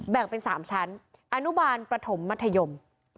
แบ่งเป็น๓ชั้นอนุบาลประถมมัธยม